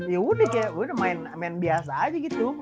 ya udah kayak udah main biasa aja gitu